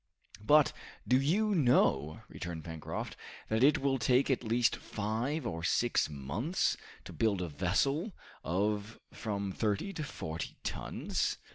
"But do you know," returned Pencroft, "that it will take at least five or six months to build a vessel of from thirty to forty tons?"